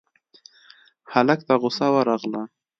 هلک ته غوسه ورغله: